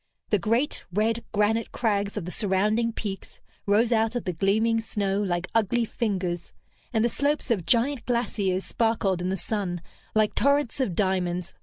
The great, red granite crags of the surrounding peaks rose out of the gleaming snow like ugly fingers, and the slopes of giant glaciers sparkled in the sun like torrents of diamonds.